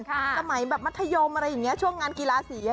สมัยแบบมัธยมอะไรอย่างนี้ช่วงงานกีฬาสี